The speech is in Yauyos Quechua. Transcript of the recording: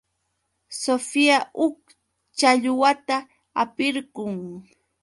Sofía huk challwata hapirqun.